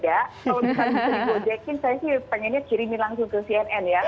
kalau misalnya dari gojekin saya sih pengennya kirimin langsung ke cnn ya